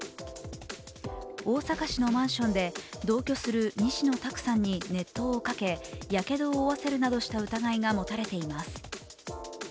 大阪市のマンションで同居する西野太九さんに熱湯をかけ、やけどを負わせるなどした疑いが持たれています。